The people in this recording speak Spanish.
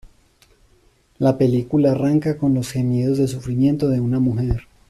La película arranca con los gemidos de sufrimiento de una mujer.